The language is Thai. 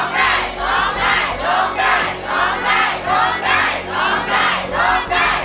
ล้มได้ล้มได้ล้มได้ล้มได้